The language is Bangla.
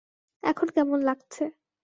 এখন কেমন লাগছে?